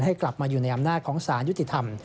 ให้กลับมาอยู่ในอำนาจของสารยุติธรรม